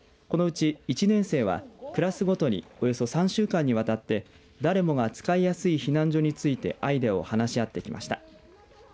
このうち１年生はクラスごとにおよそ３週間にわたって誰もが使いやすい避難所についてアイデアを話し合ってきました。